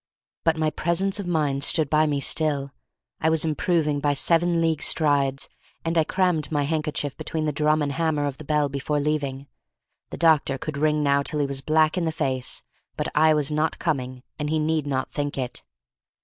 But my presence of mind stood by me still, I was improving by seven league strides, and I crammed my handkerchief between the drum and hammer of the bell before leaving. The doctor could ring now till he was black in the face, but I was not coming, and he need not think it.